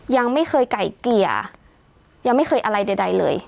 ยังไม่เคยไก่เกลี่ยยังไม่เคยอะไรใดเลย